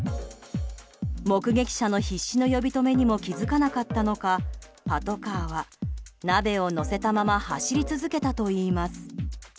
目撃者の必死に呼び止めにも気付かなかったのかパトカーは鍋を乗せたまま走り続けたといいます。